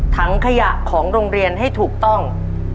ถังขยะของโรงเรียนให้ถูกต้อง